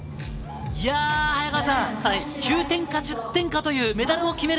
早川さん、９点か１０点かという、メダルを決める